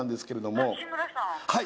はい！